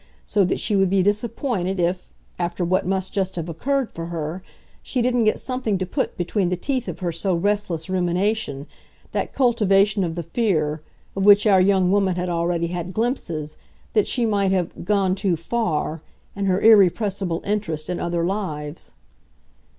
so that she would be disappointed if, after what must just have occurred for her, she didn't get something to put between the teeth of her so restless rumination, that cultivation of the fear, of which our young woman had already had glimpses, that she might have "gone too far" in her irrepressible interest in other lives.